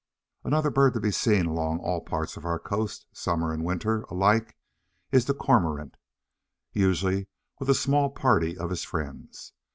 Another bird to be seen along all parts of our coast, summer and winter alike, is the Cormorant, usually with a small party of his friends.